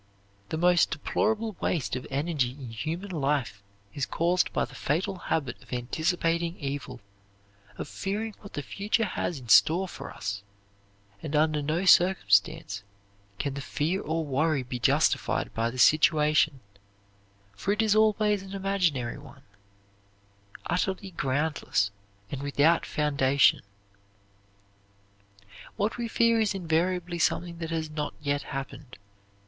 The most deplorable waste of energy in human life is caused by the fatal habit of anticipating evil, of fearing what the future has in store for us, and under no circumstances can the fear or worry be justified by the situation, for it is always an imaginary one, utterly groundless and without foundation. What we fear is invariably something that has not yet happened.